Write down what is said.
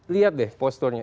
lihat deh posturnya